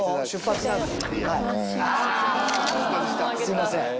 すいません。